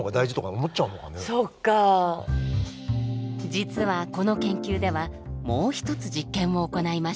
実はこの研究ではもう一つ実験を行いました。